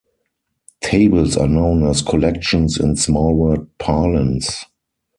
Tables are known as collections in Smallworld parlance.